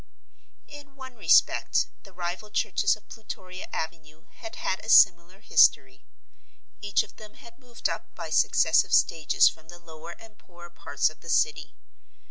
In one respect the rival churches of Plutoria Avenue had had a similar history. Each of them had moved up by successive stages from the lower and poorer parts of the city.